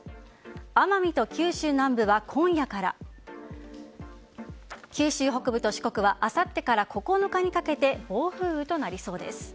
奄美と九州南部は今夜から九州北部と四国はあさってから９日にかけて暴風となりそうです。